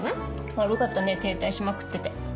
悪かったね停滞しまくってて。